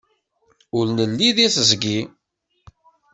Ur nelli deg teẓgi.